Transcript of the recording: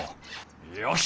よし！